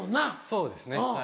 そうですねはい。